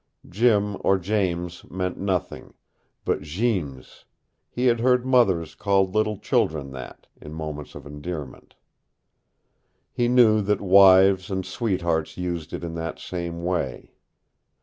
Jim or James meant nothing, but Jeems He had heard mothers call little children that, in moments of endearment. He knew that wives and sweethearts used it in that same way.